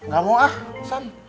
gak mau ah susan